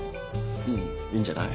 うんいいんじゃない？